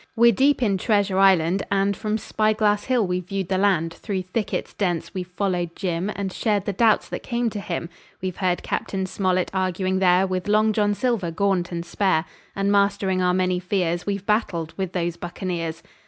We're deep in Treasure Island, and From Spy Glass Hill we've viewed the land; Through thickets dense we've followed Jim And shared the doubts that came to him. We've heard Cap. Smollett arguing there With Long John Silver, gaunt and spare, And mastering our many fears We've battled with those buccaneers.